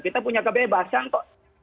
kita punya kebebasan kok